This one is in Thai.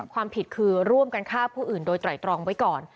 ความผิดคือร่วมกันฆ่าผู้อื่นโดยไตรตรองไว้ก่อน